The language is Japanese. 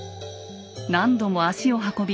何度も足を運び